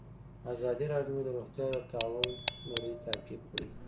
ازادي راډیو د روغتیا د تحول لړۍ تعقیب کړې.